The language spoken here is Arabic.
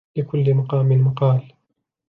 لكل مقام مقال.